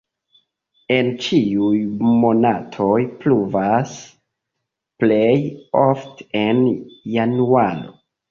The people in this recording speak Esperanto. En ĉiuj monatoj pluvas, plej ofte en januaro.